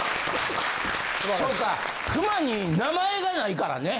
そうか熊に名前がないからね。